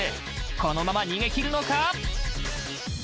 このまま逃げ切るのか？